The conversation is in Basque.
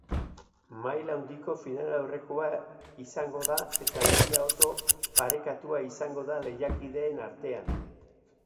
Maila handiko finalaurrekoa izango da eta lehia oso parekatua izango da lehiakideen artean.